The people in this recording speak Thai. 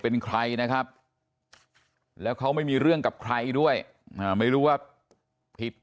เป็นใครนะครับแล้วเขาไม่มีเรื่องกับใครด้วยไม่รู้ว่าผิด